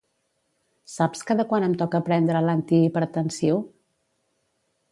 Saps cada quant em toca prendre l'antihipertensiu?